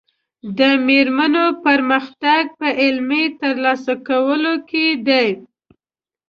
د مېرمنو پرمختګ په علمي ترلاسه کولو کې دی.